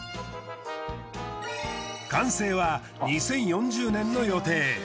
完成は２０４０年の予定。